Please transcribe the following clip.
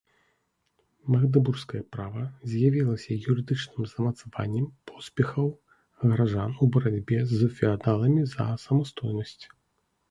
Магдэбургскае права з'явілася юрыдычным замацаваннем поспехаў гараджан у барацьбе з феадаламі за самастойнасць.